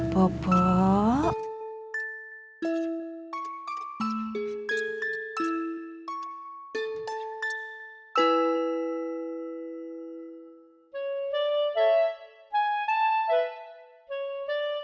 susah gue kabur